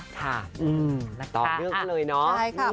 ต่อเนื่องกันเลยเนาะ